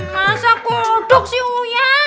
masa kodok sih uya